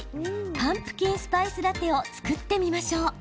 パンプキンスパイスラテを作ってみましょう。